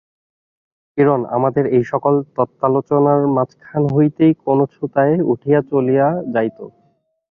কিরণ আমাদের এইসকল তত্ত্বালোচনার মাঝখান হইতেই কোনো ছুতায় উঠিয়া চলিয়া যাইত।